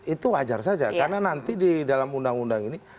itu wajar saja karena nanti di dalam undang undang ini